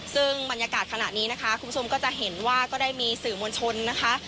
ซึ่งบรรยากาศขณะนี้นะคะคุณผู้ชมก็จะเห็นว่าก็ได้มีสื่อมวลชนนะคะ